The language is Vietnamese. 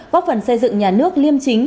góp phần xây dựng nhà nước liêm chính